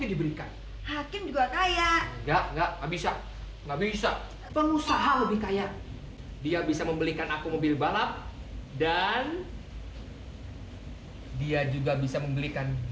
iya kapan bapak akan datang